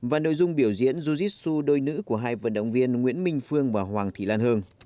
và nội dung biểu diễn jit su đôi nữ của hai vận động viên nguyễn minh phương và hoàng thị lan hương